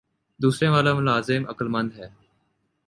دوسرے والا ملازم عقلمند ہے